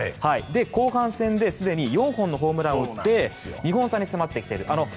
後半戦ですでに４本のホームランを打って２本差に迫ってきている。